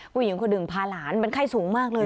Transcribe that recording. ผู้หญิงคนหนึ่งพาหลานมันไข้สูงมากเลย